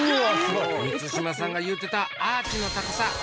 満島さんが言うてたアーチの高さ